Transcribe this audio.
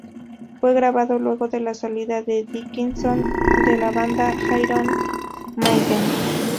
Fue grabado luego de la salida de Dickinson de la banda Iron Maiden.